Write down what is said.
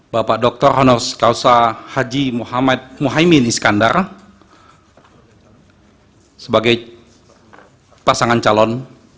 bapak dr honos kausa haji muhammad iskandar sebagai pasangan calon